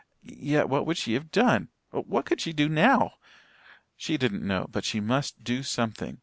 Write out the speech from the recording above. Yet what could she have done what could she do now? She didn't know, but she must do something.